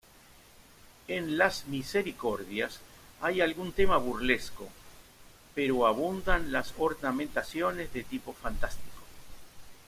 En las misericordias hay algún tema burlesco, pero abundan las ornamentaciones de tipo fantástico.